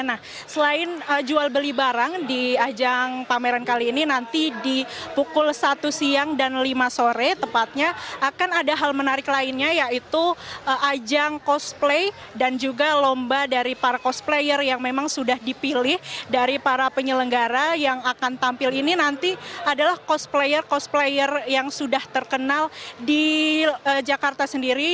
nah selain jual beli barang di ajang pameran kali ini nanti di pukul satu siang dan lima sore tepatnya akan ada hal menarik lainnya yaitu ajang cosplay dan juga lomba dari para cosplayer yang memang sudah dipilih dari para penyelenggara yang akan tampil ini nanti adalah cosplayer cosplayer yang sudah terkenal di jakarta sendiri